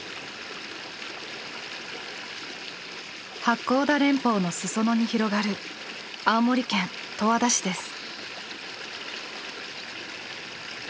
八甲田連峰の裾野に広がる青森県十和田市です。